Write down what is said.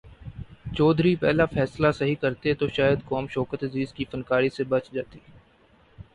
چودھری پہلا فیصلہ صحیح کرتے تو شاید قوم شوکت عزیز کی فنکاری سے بچ جاتی۔